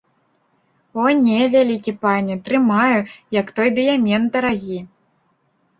О не, вялікі пане, трымаю, як той дыямент дарагі!